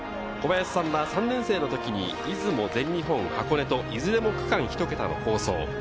小林さんは３年生の時に出雲、全日本、箱根といずれも区間１桁の好走。